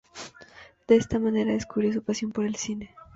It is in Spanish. De esta manera descubrió su pasión por el cine.